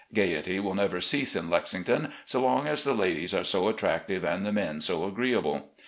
Gaiety will never cease in Lexington so long as the ladies are so attractive and the men so agreeable.